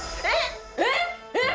えっ！